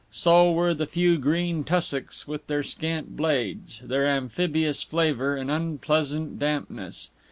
So were the few green tussocks, with their scant blades, their amphibious flavor and unpleasant dampness.